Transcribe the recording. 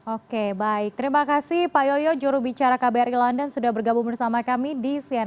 oke baik terima kasih pak yoyo jurubicara kbri london sudah bergabung bersama kami di cnn